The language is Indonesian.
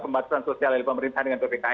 pembatasan sosial dari pemerintahan dengan